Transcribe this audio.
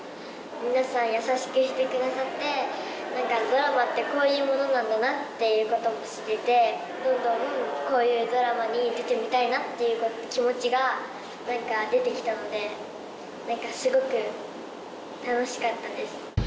皆さん優しくしてくださってドラマってこういうものなんだなっていうことも知れてどんどんこういうドラマに出てみたいなっていう気持ちが何か出て来たのですごく楽しかったです。